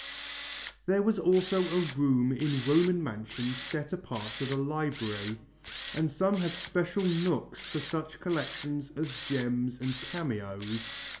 There was also a room in Roman mansions set apart for the library, and some had special nooks for such collections as gems and cameos.